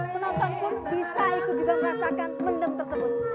penonton pun bisa ikut juga merasakan mendem tersebut